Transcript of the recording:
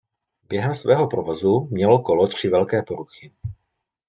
Během svého provozu mělo kolo tři velké poruchy.